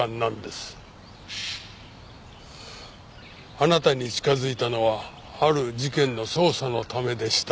あなたに近づいたのはある事件の捜査のためでした。